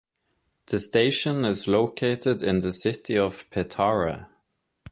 The station is located in the city of Petare.